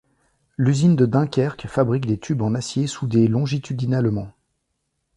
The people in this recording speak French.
L’usine de Dunkerque fabrique des tubes en acier soudés longitudinalement.